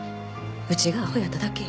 うちがアホやっただけや。